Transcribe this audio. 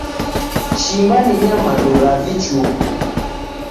Shimba ni nyamandu ra vichuku.